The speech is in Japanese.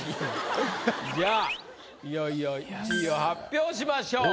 じゃあいよいよ１位を発表しましょう。